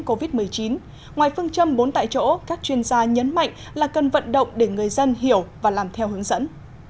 covid một mươi chín ngoài phương châm bốn tại chỗ các chuyên gia nhấn mạnh là cần vận động để người dân hiểu và làm theo hướng dẫn